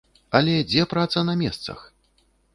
Але дзе праца на месцах?